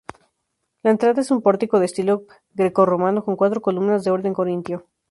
La entrada es un pórtico de estilo grecorromano con cuatro columnas de orden corintio.